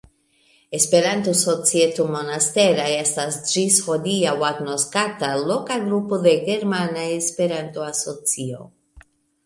Esperanto-Societo Monastera estas ĝis hodiaŭ agnoskata loka grupo de Germana Esperanto-Asocio.